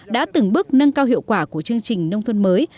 đã từng bước nâng cao hiệu quả của chương trình nông thôn mới